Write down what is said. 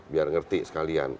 biar ngerti sekalian